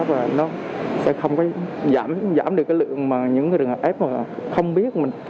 và nó sẽ không có giảm được cái lượng mà những trường hợp f không biết